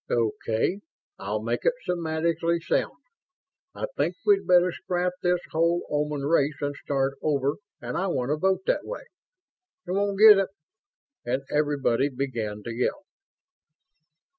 "Okay, I'll make it semantically sound. I think we'd better scrap this whole Oman race and start over and I want a vote that way!" "You won't get it!" and everybody began to yell.